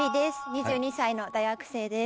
２２歳の大学生です